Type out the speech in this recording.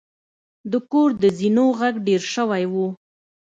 د کور د زینو غږ ډیر شوی و.